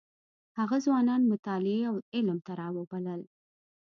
هغه ځوانان مطالعې او علم ته راوبلل.